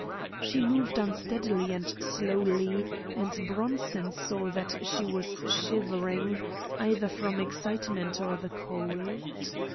She moved unsteadily and slowly, and Bronson saw that she was shivering, either from excitement or the cold.